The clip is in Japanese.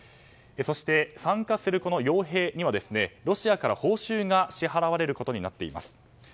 そして、参加する傭兵にはロシアから報酬が支払われることになっています。